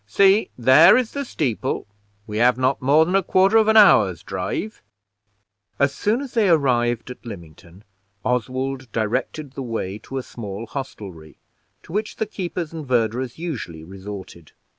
See, there is the steeple; we have not more than a quarter of an hour's drive." As soon as they arrived at Lymington, Oswald directed the way to a small hostelry to which the keepers and verderers usually resorted.